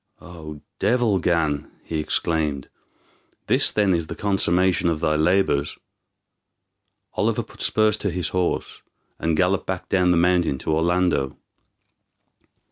"O devil Gan," he exclaimed, "this then is the consummation of thy labors!" Oliver put spurs to his horse, and galloped back down the mountain to Orlando.